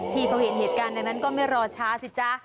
ที่เขาเห็นเหตุการณ์ในนั้นก็ไม่รอช้าสิจ๊ะ